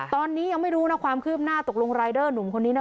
ตอนนี้ยังไม่รู้นะความคืบหน้าตกลงรายเดอร์หนุ่มคนนี้นะ